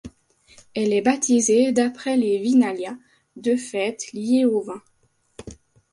Elle est baptisée d'après les Vinalia, deux fêtes liées au vin.